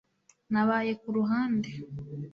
Nabaye ku ruhande